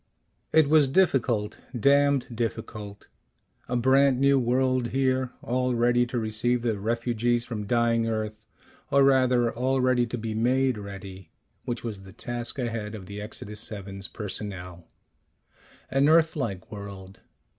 It was difficult. Damned difficult. A brand new world here, all ready to receive the refugees from dying Earth. Or rather, all ready to be made ready, which was the task ahead of the Exodus VII's personnel. An Earth like world.